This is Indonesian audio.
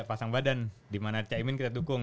pasang badan dimana cak imin kita dukung